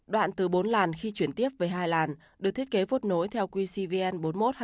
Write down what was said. đoạn từ bốn làn khi chuyển tiếp về hai làn được thiết kế vốt nối theo quy cvn bốn mươi một hai nghìn một mươi chín